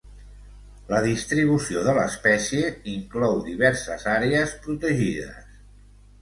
La distribució de l'espècie inclou diverses àrees protegides.